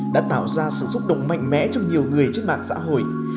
đã tạo ra sự xúc động mạnh mẽ trong nhiều người trên mạng xã hội